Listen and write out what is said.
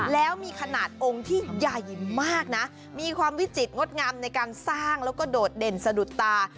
แล้วมีขนาดองค์ที่ใหญ่มากนะมีความวิจิตรงดงามในการสร้างแล้วก็โดดเด่นสะดุดตา